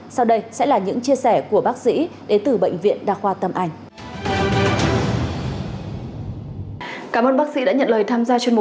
sau đây sẽ là những chia sẻ của bác sĩ đến từ bệnh viện đa khoa tâm anh